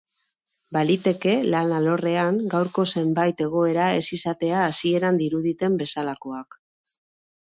Baliteke lan alorrean, gaurko zenbait egoera ez izatea hasieran diruditen bezalakoak.